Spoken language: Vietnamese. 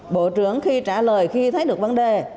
bộ trưởng khi trả lời khi thấy được vấn đề